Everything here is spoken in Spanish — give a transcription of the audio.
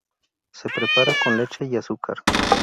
Se prepara con leche y azúcar.